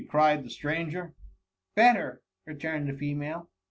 *' cried the stranger. " Better,'' returned the female.